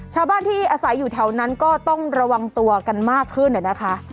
ชาวบ้านที่อาศัยอยู่แถวนั้นก็ต้องระวังตัวกันมากขึ้นนะคะ